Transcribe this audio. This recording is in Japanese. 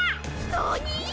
なに！？